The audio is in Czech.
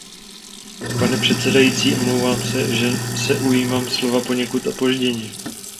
Pane předsedající, omlouvám se, že se ujímám slova poněkud opožděně.